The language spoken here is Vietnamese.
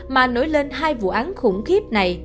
mà nối lên hai vụ án khủng khiếp này